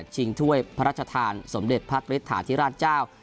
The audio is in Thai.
ถ้วยพระราชทานสมเด็จพระฤทธาธิราชเจ้า